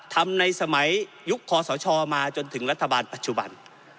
ทำในสมัยยุคคอสชมาจนถึงรัฐบาลปัจจุบัน